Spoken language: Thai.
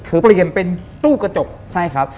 เปลี่ยนเป็นตู้กระจก